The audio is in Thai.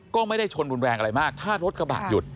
ก็ไม่ได้ชนรุนแรงอะไรมากถ้ารถกระบะหยุด